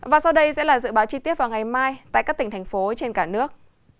và sau đây sẽ là dự báo chi tiết vào ngày mai tại các tỉnh thành phố trên cả nước